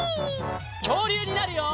きょうりゅうになるよ！